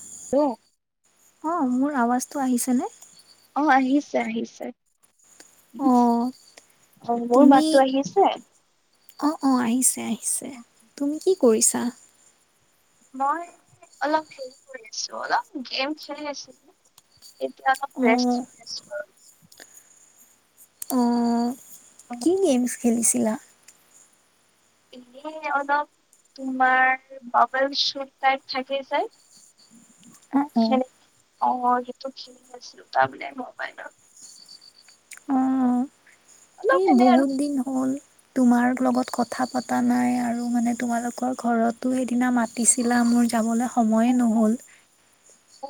[unintelligible] অ', মোৰ আৱাজটো আহিছেনে? অ' আহিছে আহিছে। অ অ' মোৰ তুমি মাতটো আহি আছে? অ' অ' আহিছে আহিছে তুমি কি কৰিছা? মই অলপ হেৰি কৰি আছো অলপ গেম খেলি আছো। এতিয়া অ অলপ [unintelligible] আছোঁ। অ' আৰু কি গেমছ খেলিছিলা? এনেই অলপ তোমাৰ বাবল শ্বোট টাইপ থাকে যে, অ'অ' সেনে অ' সেইটো খেলি আছিলো তাৰমানে মোবাইলত। অ অলপ এই এনে আৰু বহুত দিন হ'ল। তোমাৰ লগত কথা পতা নাই আৰু মানে তোমালোকৰ ঘৰতো সেইদিনা মাতিছিলা মোৰ যাবলৈ সময়ে নহ'ল।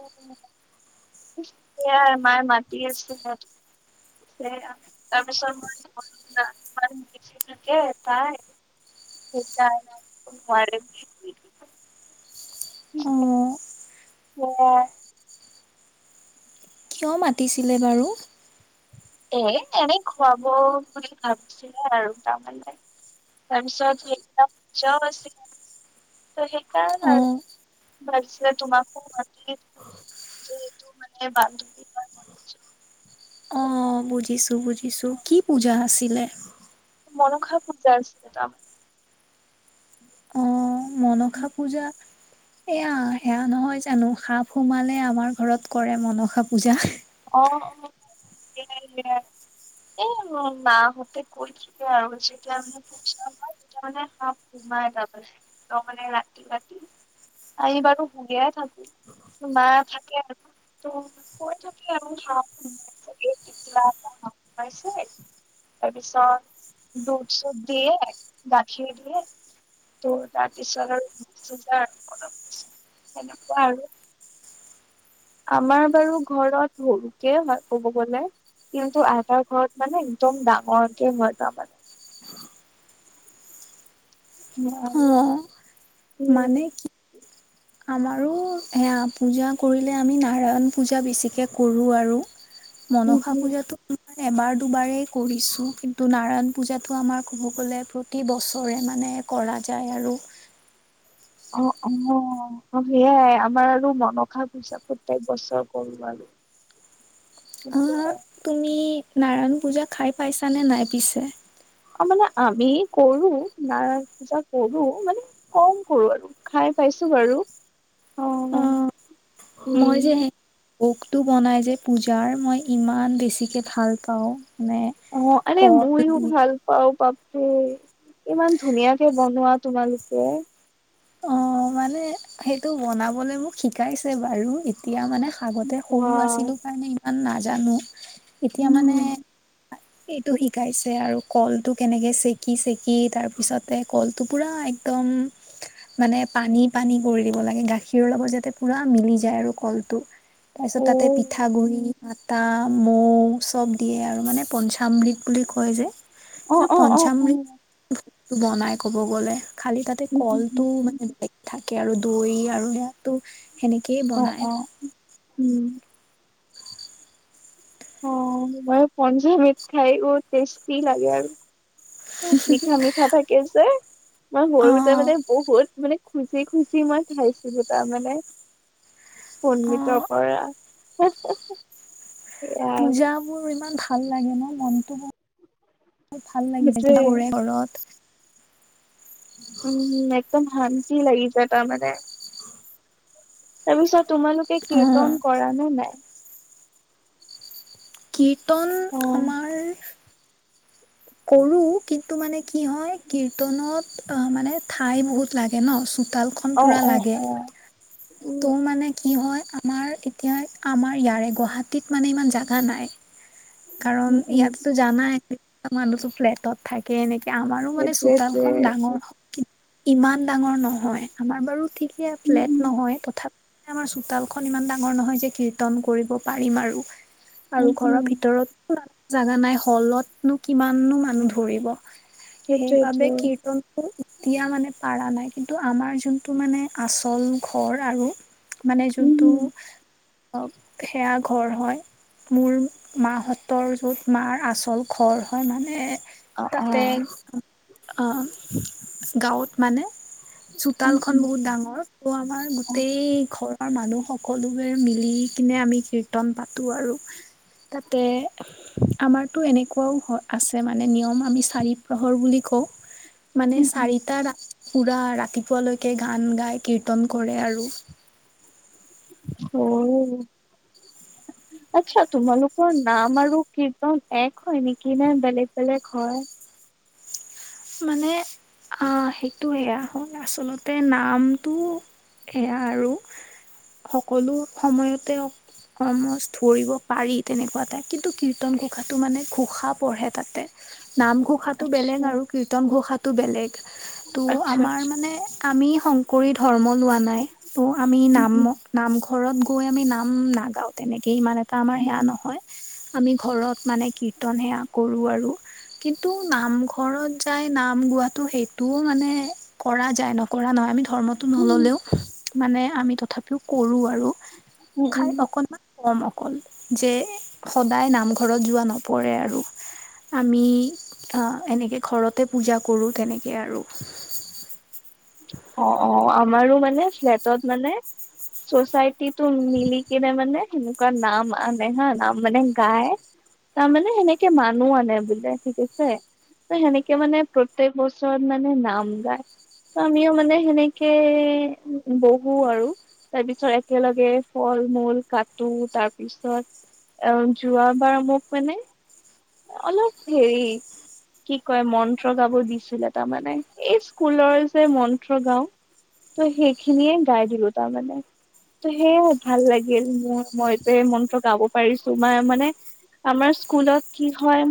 [unintelligible] [unintelligible] মায়ে মাতি [unintelligible] [unintelligible] ‌তাৰ পিছত মই [unintelligible] তাই সেইকাৰণে [unintelligible] অ [unintelligible] কিয় মাতিছিলে বাৰু? এ এনেই খুৱাব বুলি ভাবিছিলে আৰু তাৰমানে তাৰপিছত [unintelligible] ত সেইকাৰণে অ আৰু ভালছিল তোমাকো মাতি যিহেতু মানে বান্ধৱী [unintelligible] অ' বুজিছো বুজিছো কি পূজা আছিলে? মনসা পুজা আছিল তাম অ মনসা পূজা এয়া সেয়া নহয় জানো, সাপ সোমালে আমাৰ ঘৰত কৰে মনসা পূজা। আহ অ' সেয়াই। এ‌ মা হতে কৈছিলে আৰু [unintelligible] তাৰ মানে সাপ সোমাই [unintelligible] ৰাতি ৰাতি এইবাৰো শুই এ থাকো মা থাকে [unintelligible] আৰু [unintelligible] তাৰ পিছত দুধ-চুধ দিয়ে গাখীৰ দিয়ে। ত' তাৰ পিছত আৰু [unintelligible] অলপ পছ সেনেকুৱা আৰু আমাৰ বাৰু ঘৰত সৰুকে হয় ক'ব গলে। কিন্তু আইতা ঘৰত মানে একদম ডাঙৰকে হয় তাৰমানে। সেয়া আৰু অ' মানে কি আমাৰো সেয়া পূজা কৰিলে আমি নাৰায়ণ পূজা বেছিকে কৰোঁ আৰু মনসা পূজাতো এবাৰ দুবাৰেই কৰিছোঁ কিন্তু নাৰায়ণ পূজাতটো আমাৰ ক'ব গ'লে প্ৰতি বছৰে মানে এই কৰা যায় আৰু অ' অ'হ অ' সেইয়াই আমাৰ আৰু মনসা পূজা প্ৰত্যেক বছৰ কৰো আৰু [unintelligible] অ', [unintelligible] তুমি নাৰায়ণ পূজা খাই পাইছা নে নাই পিছে? মানে আমি কৰো নাৰায়ন পূজা কৰো মানে কম কৰোঁ আৰু খাই পাইছোঁ। বাৰু। অ', মই উম যে ভোগটো বনাই যে পূজাৰ মই ইমান বেছিকে ভাল পাওঁ। মানে অ', আৰে কল ময়ো দি ভালপাওঁ পাব উ। ইমান ধুনীয়াকে বনোৱা তোমালোকে। অ', মানে সেইটো বনাবলে মোক শিকাইছে বাৰু, এতিয়া মানে আগতে সৰু বা আছিলো কাৰণে ইমান নাজানো, এতিয়া মানে উম এইটো শিকাইছে আৰু কলটো কেনেকে ছেকি ছেকি তাৰ পিছতে কলটো পুৰা একদম মানে পানী পানী কৰি দিব লাগে, গাখীৰৰ লগত যাতে পুৰা মিলি যায় আৰু কলটো। তাইছত অ তাতে পিঠাগুৰি আটা, মৌ চব দিয়ে আৰু মানে পঞ্চামৃত বুলি কয় যে অ কিন্তু অ অ অ উম পঞ্চামৃৃত, বনাই ক'ব গ'লে। খালি তাতে উম কলটো উম মানে [unintelligible] থাকে, দৈ আৰু ইয়াত। ত' সেনেকেই অ বনায়। অ উম অ', মই পঞ্চামৃত খাই বৰ টেষ্টি লাগে আৰু মিঠা মিঠা থাকে যে, মই অ সৰুতে মানে বহুত মানে খুজি খুজি মই খাইছিলো তাৰমানে, অ পণ্ডিতৰ পৰা [unintelligible] পূজাবোৰ ইমান ভাল লাগে ন, মনটো বৰ ভাল লাগি যায়, সেইটোৱে [unintelligible] কৰে ঘৰত। উম, একদম শান্তি লাগি যায় তাৰমানে। তাৰপিছত তোমালোকে অ কীৰ্তন কৰা নে নাই? কীৰ্তন অ আমাৰ কৰো, কিন্তু মানে কি হয় কীৰ্তনত অ', মানে ঠাই বহুত লাগে ন, চো তালখন অ পুৰা অ লাগে, অ ত' উম মানে কি হয় আমাৰ এতিয়া আমাৰ ইয়াৰে গুৱাহাটীত মানে ইমান জাগা নাই। কাৰণ উম ইয়াততো জানাই, [unintelligible] ফ্লেটত থাকে এনেক কে, আমাৰো মানে সেইটোৱেটোৱে চোতালখন ডাঙৰ হয়, কি ইমান ডাঙৰ নহয়, আমাৰ বাৰু ঠিকে উম হম ফ্লেট নহয়, তথা আমাৰ চোতালখন ইমান ডাঙৰ নহয় যে কীৰ্তন কৰিব পাৰিম আৰু, আৰু উম ঘৰৰ হম ভিত [unintelligible] জাগা নাই হলতনো কিমানো মানুহ ধৰিব। সেইবাবে সেইটোৱেটোৱে কীৰ্তনটো, ওতিয়া মানে পাৰা নাই। কিন্তু আমাৰ জোনটো মানে আচল ঘৰ আৰু, মানে উম জোনটো হম অক সেয়া ঘৰ হয়, মোৰ মাহঁতৰ য'ত মাৰ আচল ঘৰ হয় মানে অ অ তাতে, অ', গাঁৱত মানে উম চোতালখন উম বহুত ডাঙৰ, ত' আমাৰ অ গোটেই ঘৰৰ মানুহ সকলোবোৰে মিলি কিনে আমি কীৰ্তন পাতোঁ আৰু। তাতে, আমাৰতো এনেকুৱাও হ আছে মানে নিয়ম আমি চাৰি‍প্ৰহৰ বুলি কওঁ। মানে উম উম চাৰিটা ৰা পুৰা ৰাতিপুৱালৈকে গান গাই কীৰ্তন কৰে আৰু। অ'। [inaudible] আচ্ছা, তোমালোকৰ নাম আৰু কীৰ্তন এক হয় নেকি নে বেলেগ বেলেগ হয়? মানে আ সেইটো সেয়া হ'ল আচলতে নামটো সেয়া আৰু, সকলো সময়তে অলমষ্ট ধৰিব পাৰি তেনেকুৱা তাত, কিন্তু কীৰ্তন ঘোষাটো মানে ঘোষা পঢ়ে তাতে। নামঘোষাটো বেলেগ আচ্ছা আৰু কীৰ্তন ঘোষাটো বেলেগ। তো' আচ্ছা আমাৰ আচ্ছা মানে আমি শংকৰী ধৰ্ম লোৱা নাই। ত' আমি উম নাম উম নামঘ ঘৰত গৈ আমি নাম নাগাওঁ তেনেকে ইমান এটা আমাৰ সেয়া উম নহয়। আমি ঘৰত মানে কীৰ্তন সেয়া কৰোঁ আৰু কিন্তু নামঘৰত যাই নাম গোৱাটো সেইটোও মানে কৰা যায়, নকৰা নহয় আমিটো ধৰ্মটো উম নল'লেও উম মানে আমি তথাপিও কৰোঁ আৰু উম উম খাই অকণমান কম অকন যে সদায় নামঘৰত যোৱা নপৰে আৰু আমি অ', নেকে ঘৰতে পূজা কৰোঁ তেনেকে আৰু। অ', আমাৰো মানে ফ্লেটত মানেচ। মিলি কিনে মানে তেনেকুৱা নাম আনে হা নাম মানে গায়। তাৰমানে সেনেকে মানুহ আনে বোলে ঠিক আছে। ত সেনেকে, মানে প্ৰত্যাক বছৰত মানে নাম গায়। আমিও মানে সেনেকে বহো আৰু তাৰ পিছত একেলগে ফল মূল কাটো তাৰপিছত। অ, যোৱাবাৰ মোক মানে অলপ হেৰি। কি কয় মন্ত্ৰ গাব দিছিলে তাৰমানে এই স্কুলৰ যে মন্ত্ৰ গাও। তো সেইখিনিয় গাই দিলো তাৰমানে। সেয় ভাল লাগিল মোৰ মই যে মন্ত্ৰ গাব পাৰিছো মই মানে। আমাৰ স্কুলত কি হয়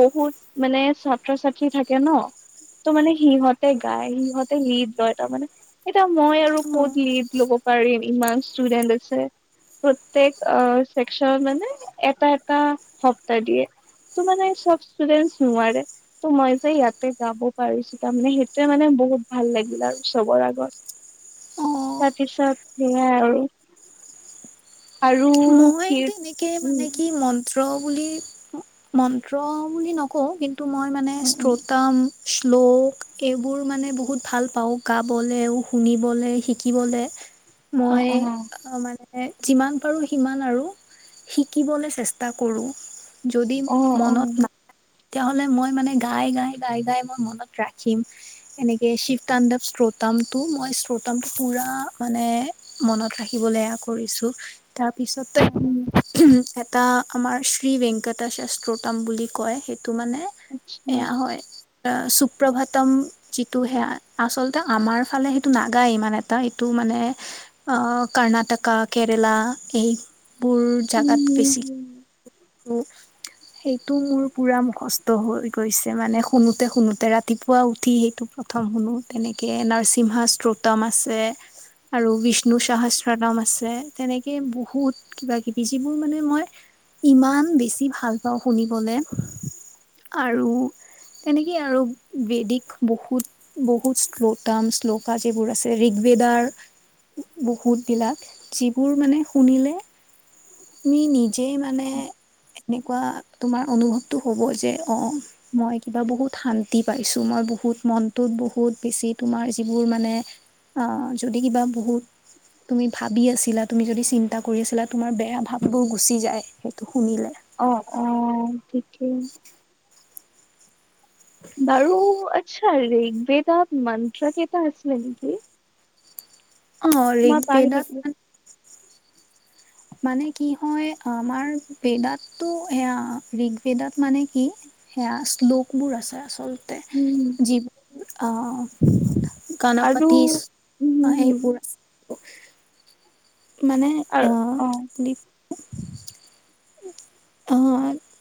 বহুত মানে ছাত্ৰ ছাত্ৰী থাকে ন। ত' মানে সিহঁতে গায় সিহঁতে এ লিড লয় তাৰ মানে এয়া মই আৰু ক'ত লিড ল'ব পাৰিম ইমান ষ্টুডেন্ট আছে। প্ৰত্যেক চেক্সন মানে এটা এটা সপ্তাহ দিয়ে। ত' মানে চব ষ্টুডেন্ট নোৱাৰে ত' মই যে ইয়াতে যাব পাৰিছো তাৰ মমানে সেইটোয়ে মানে বহুত। ভাল লাগিল আৰু চবৰ আগত। অ তাৰপিছত সেয়াই আৰু। মই কীৰ তেনেকে উম, মানে কি মন। মন্ত্ৰ বুলি মন্ত্ৰ বুলি নকওঁ কিন্তু মই মানে উম, উম, শ্ৰোতাম। শ্লোক এইবোৰ মানে বহুত ভাল পাওঁ গাবলৈ, শুনিবলৈ, শিকিবলৈ। মই, অ', মানে যিমান পাৰো। সিমান আৰু শিকিবলৈ চেষ্টা কৰোঁ, যদি অ', অ', মনত না। তেতিয়াাহ'লে মই মানে, গাই গাই গাই গাই মই মনত ৰাখিম এনেকে শিৱ তাণ্ডৱ শ্ৰোতা টো মই শ্ৰোতামটো পুৰা মানে মনত ৰাখিবলৈ কৰিছো। তাৰপিছত। উম, এটা আমাৰ শ্ৰী ভেংকটা শাস্ত্ৰতম বুলি কয় সেই। তটো মানে আচ্ছা, এয়া হয়। সুপ্ৰভাতম যিটো সেয়া আচলতে আমাৰ ফালে সেইটো নাগায় ইমান এটা এইটো মানে কৰ্ণাটকা কেৰেলা। এইবোৰ জোগাত বেছি। উম, সেইটো মোৰ পুৰা মুখষ্ট হৈ গৈছে মানে শুনোতে শুনোতে ৰাতিপুৱা উঠি সেইটো। প্ৰথম শুনো তেনেকৈ নৰসিম্হা শ্ত্ৰোতম আছে। আৰু বিষ্ণু সহস্ৰতাম আছে তেনেকে। বহুত কিবা কিবি যিবোৰ মানে মই। ইমান বেছি ভাল পাওঁ শুনিবলৈ আৰু। তেনেকেই আৰু বেদিক বহুত বহুত শ্লতাম শ্লোক যিবোৰ আছে ৰি ৱেডাৰ বহুত বিিলাক যিবোৰ মানে শুনিলে মি নিজেই মানে। এনেকুৱা তোমাৰ অনুভৱতো হ'ব যে অ মই কিবা বহুত শান্তি পাইছো মই। বুত মনটোত বহুত বেছি তোমাৰ যিবোৰ মানে যদি কিবা বহুত। তুমি ভাবি আছিলা তুমি যদি চিন্তা কৰি আছিলা তোমাৰ বেয়া ভাব বোৰ গুচি যায় সেইটো শুনিলে অ', ঠিকেই। বাৰু আচ্ছা ৰেগ্বেদত মন্তন্ত্ৰাকেইটা আছিলছে নেকি। অ', মই ৰিগ পাহৰি বেদাত থাকিলো, মানে। মানে কি হয় আমাৰ বেদাতটো এেয়া ঋগভেদাত মানে কি সেয়া শ্লোকবোৰ আছে আচলতে উম, যিবোৰ আহ। আৰু গানপতিচ উম, আহ উম, পুৰা [unintelligible] মানে আৰু অহ অ', দিপ অ',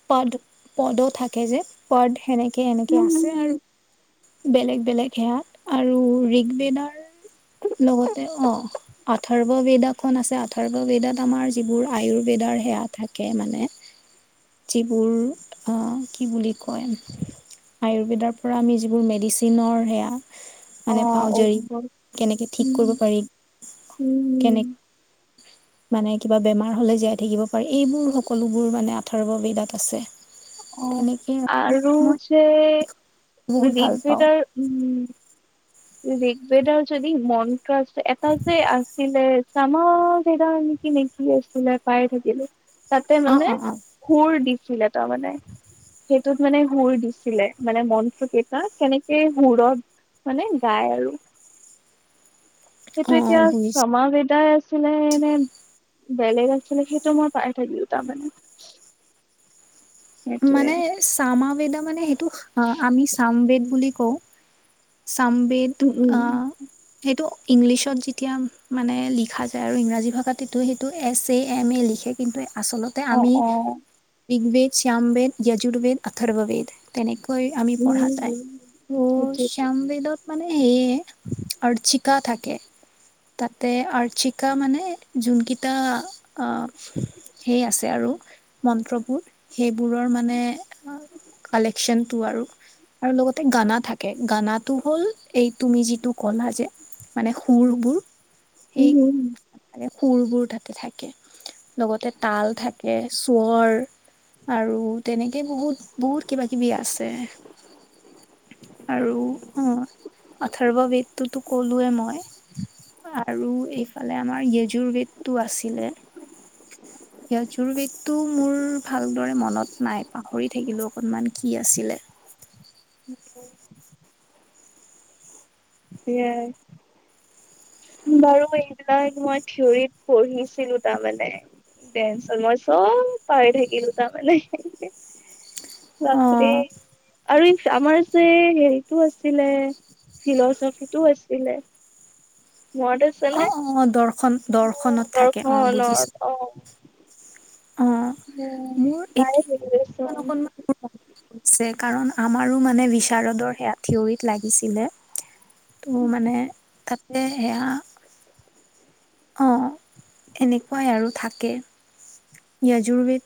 পদ পদো থাকে যে, পদ সেনেকে এনেকে উম, উম, আছে আৰু উম, বেলেগ বেলেগ সেয়াত আৰু ৰিগ বেদাৰ লগতে অ', আদ্ধৰ্ব বেদা খন আছে আদ্ধৰ্ব বেদাত আমাৰ যিবোৰ আয়ুৰ্বেদ ৰ সেৱা থাকে মানে যিবোৰ কি বুলি কয় আয়ুৰ্বেদৰ পৰা আমি যিবোৰ মেডিচিনৰ সেয়া মানে অ', পাওঁজাৰী অ', কেনেকৈ ঠিক কৰিব উম, পাৰি উম, কেনেক মানে কিবা বেমাৰ হলে জীয়াই থাকিব পাৰে এইবোৰ সকলোবোৰ মানে অদ্ধৰ্ব বেদাত আছে। অ', তেনেকেই আৰু মই যে বহুত ভাল ঋক পাওঁ। বেদাৰ উম ঋকবেদাৰ যদি মন্ত্ৰা এটা যে আছিলে [unintelligible] নেকি নেকি আছিলো পাই থাকিলো। তাতে অ মানে অ অ সুৰ দিছিলে তাৰ‌ মানে সেই তত মানে সুৰ দিছিলে মানে মন্ত্ৰটো কেইটা কেনেকে সুৰত মানে গাই আৰু অ সেইটো অ এতিয়া বুজিছো ক্ৰমাবেদ তাই আছিলে এনে বেলেগ আছিলে সেইটো মই পাই থাকিলিও তাৰমানে সেইটোৱে মানে চামা বেদা মানে সেইটো আমি চামবেদ বুলি কওঁ। চামবেদ উম উম সেইটো আ' ইংলিছত যেতিয়া মানে লিখা যায় আৰু ইংৰাজী ভাষাটোতো সেইটো এছ এ এম এ লিখে কিন্তু আচলতে অ আমি অ ঋগভেদ শ্যামবেদ য়ৰ্জু্বেদ অথৰ্ববেদ তেনেক আমি পঢ়া উম যায় উম ত' সেইটোৱে শ্যমবেদত মানে সেয়ে অৰ্চিকা থাকে। তাতে আৰ্চিকা মানে যোনকেইটা আ' সেই আছে আৰু মন্ত্ৰবোৰ সেইবোৰৰ মানে কালেকচন টো আৰু আৰু লগতে গানা থাকে। গানাটো হ'ল এই তুমি যিটো কলা যে মানে সুৰবোৰ উম, উম। মে সুৰবোৰ তাতে থাকে লগতে তাল থাকে স্বৰ আৰু তেনেকেই বহুত বহুত কিবা কিবি আছে আৰু আদ্ধৰ্ব বেদটোতো কলোৱেই মই আৰু এইফালে আমাৰ য়ৰ্জু্বেদটো আছিলে। য়ৰ্জু্বেদটো মোৰ ভাল ভাল দৰে মনত নাই পাহৰি থাকিলোঁ অকণমান কি আছিলে। উ। সেয়া বাৰু এইবিলাক মই থিয়ৰিত পঢ়িছিলো তাৰমানে ডেঞ্চ মই চব পাই থাকিলো তাৰমানে অ বাপৰে আৰু আমাৰ যে হেৰিটো আছিলে ফিলচফিটো আছিলে মৰাতে আছে অ নে দৰ্শন অ', দৰ্শনত থাকে দৰ্খনত অ বুজিছো হলত অ', মোৰ পাই এতি থাকিলো চোন। অকনমান কাৰণ আমাৰো মানে বিচাৰদৰ সেয়া থিয়ৰিত লাগিছিলে তো মানে তাতে সেয়া অ', এনেকুৱাই আৰু থাকে য়জুৰ্বেদ